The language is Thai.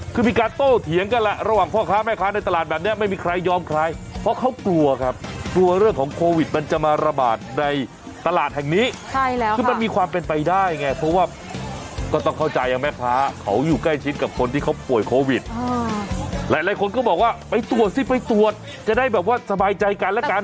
คือมีการโต้เถียงกันแหละระหว่างพ่อค้าแม่ค้าในตลาดแบบนี้ไม่มีใครยอมใครเพราะเขากลัวครับกลัวเรื่องของโควิดมันจะมาระบาดในตลาดแห่งนี้ใช่แล้วคือมันมีความเป็นไปได้ไงเพราะว่าก็ต้องเข้าใจแม่ค้าเขาอยู่ใกล้ชิดกับคนที่เขาป่วยโควิดหลายคนก็บอกว่าไปตรวจสิไปตรวจจะได้แบบว่าสบายใจกันแล้วกัน